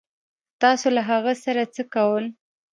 تاسو له هغه سره څه کول